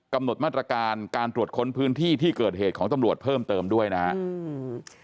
กำหนดมาตรการการตรวจค้นพื้นที่ที่เกิดเหตุของตำรวจเพิ่มเติมด้วยนะฮะอืม